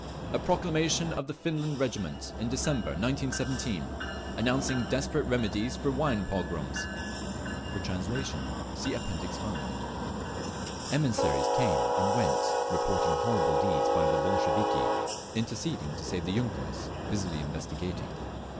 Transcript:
A proclamation of the Finland Regiment, in December, 1917, announcing desperate remedies for "wine pogroms." For translation see Appendix 5. … Emissaries came and went, reporting horrible deeds by the Bolsheviki, interceding to save the yunkers, busily investigating….